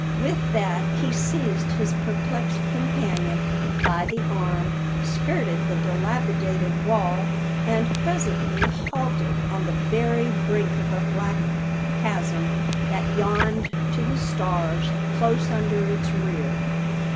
With that he seized his perplexed companion by the arm, skirted the dilapidated wall, and presently halted on the very brink of a black chasm that yawned to the stars close under its rear.